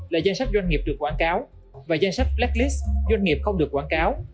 là danh sách doanh nghiệp được quảng cáo và danh sách black list doanh nghiệp không được quảng cáo